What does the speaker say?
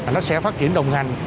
nó sẽ phát triển đồng hành